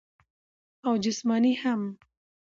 او جسماني هم -